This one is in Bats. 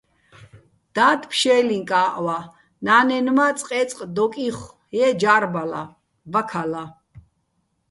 და́დ ფშე́ლინკაჸ ვა, ნა́ნენ მა წყე́წყ დოკ იხო-ე ჯა́რბალა, ბაქალა.